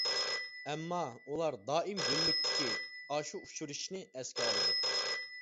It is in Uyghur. ئەمما، ئۇلار دائىم گۈللۈكتىكى ئاشۇ ئۇچرىشىشنى ئەسكە ئالىدۇ.